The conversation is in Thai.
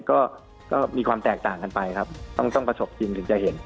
ก็ก็มีความแตกต่างกันไปครับต้องประสบจริงถึงจะเห็น